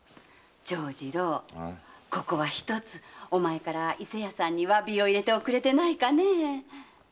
長次郎ここはひとつお前から伊勢屋さんに詫びを入れておくれでないかねえ。